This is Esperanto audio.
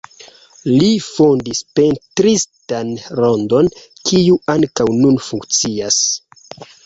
Li fondis pentristan rondon, kiu ankaŭ nun funkcias.